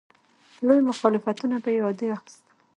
لوی مخالفتونه به یې عادي اخیستل.